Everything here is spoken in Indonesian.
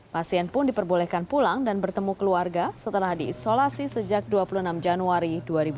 pasien pun diperbolehkan pulang dan bertemu keluarga setelah diisolasi sejak dua puluh enam januari dua ribu dua puluh